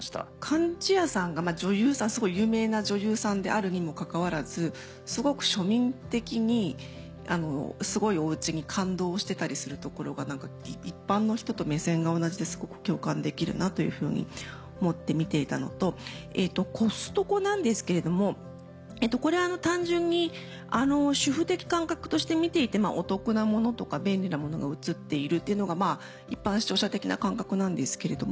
貫地谷さんがすごい有名な女優さんであるにもかかわらずすごく庶民的にすごいお家に感動してたりするところが一般の人と目線が同じですごく共感できるなというふうに思って見ていたのとコストコなんですけれどもこれ単純に主婦的感覚として見ていてお得なものとか便利なものが映っているっていうのが一般視聴者的な感覚なんですけれども。